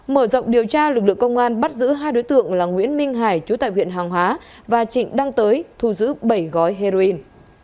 mở rộng điều tra lực lượng công an bắt giữ hai đối tượng là nguyễn minh hải chú tại huyện hàng hóa và trịnh đăng tới thu giữ bảy gói heroin